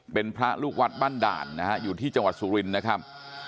เป็นพระลูกวัดบ้านด่านนะฮะอยู่ที่จังหวัดสุรินทร์นะครับ